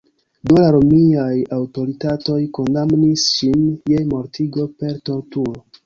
Do la romiaj aŭtoritatoj kondamnis ŝin je mortigo per torturo.